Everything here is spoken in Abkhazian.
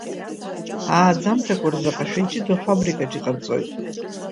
Ааӡамҭақәа рзы аҟашәа иҷыдоу афабрика аҿы иҟарҵоит.